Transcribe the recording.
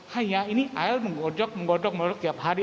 hanya ini air menggerodok menggerodok melalui tiap hari